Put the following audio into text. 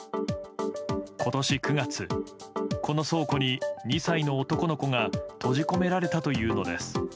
今年９月この倉庫に２歳の男の子が閉じ込められたというのです。